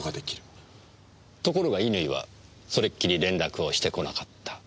ところが乾はそれっきり連絡をしてこなかった。